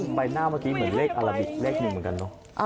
ใบหน้าเมื่อกี้เหมือนเลขอาราบิกเลขหนึ่งเหมือนกันเนอะ